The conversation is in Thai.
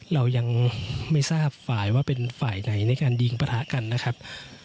เรายังไม่ทราบฝ่ายว่าเป็นฝ่ายไหนในการยิงประทะกันนะครับ